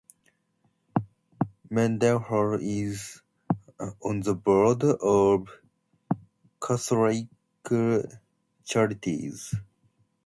Mendenhall is on the board of Catholic charities.